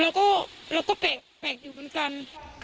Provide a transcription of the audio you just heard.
เราก็เราก็แปลกแปลกอยู่บนกัน